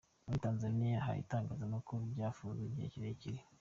Muri Tanzania hari ibitangazamakuru byafunzwe igihe kirekire.